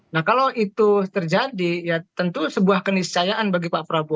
nah kalau itu terjadi ya tentu sebuah keniscayaan bagi pak prabowo